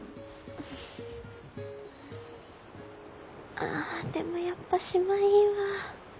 ああでもやっぱ島いいわ。